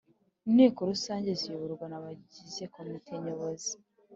Inteko rusange ziyoborwa n’Abagize Komite Nyobozi